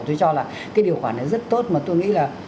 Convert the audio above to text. tôi cho là cái điều khoản này rất tốt mà tôi nghĩ là